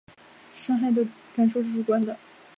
伤害的感受是主观的